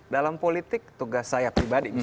dalam politik tugas saya pribadi